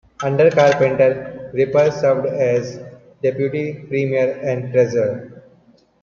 Under Carpenter, Ripper served as Deputy Premier and Treasurer.